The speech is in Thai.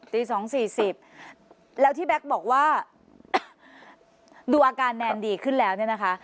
ตี๒๔๐แล้วที่แบ็คบอกว่าดูอาการแนนดีขึ้นแล้วเนี่ยนะคะ